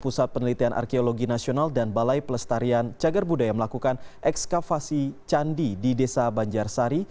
pusat penelitian arkeologi nasional dan balai pelestarian cagar budaya melakukan ekskavasi candi di desa banjarsari